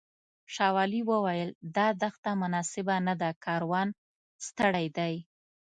شاولي وویل دا دښته مناسبه نه ده کاروان ستړی دی.